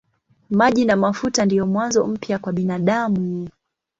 Maji na mafuta ndiyo mwanzo mpya kwa binadamu.